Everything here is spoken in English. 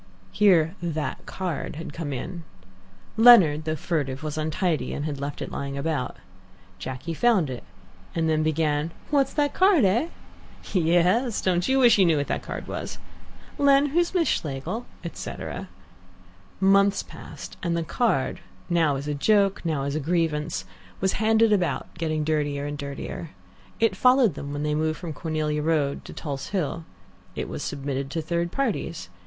Here "that card" had come in. Leonard, though furtive, was untidy, and left it lying about. Jacky found it, and then began, "What's that card, eh?" "Yes, don't you wish you knew what that card was?" "Len, who's Miss Schlegel?" etc. Months passed, and the card, now as a joke, now as a grievance, was handed about, getting dirtier and dirtier. It followed them when they moved from Cornelia Road to Tulse Hill. It was submitted to third parties.